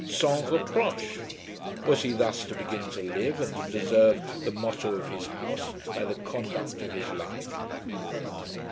Sans reproche! Was he thus to begin to live and to deserve the motto of his house by the conduct of his life?